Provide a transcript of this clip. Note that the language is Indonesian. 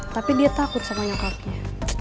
tapi dia takut sama nyokapnya